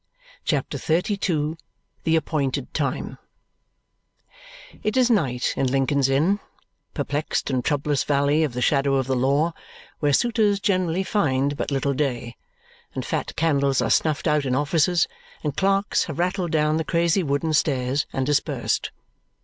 CHAPTER XXXII The Appointed Time It is night in Lincoln's Inn perplexed and troublous valley of the shadow of the law, where suitors generally find but little day and fat candles are snuffed out in offices, and clerks have rattled down the crazy wooden stairs and dispersed.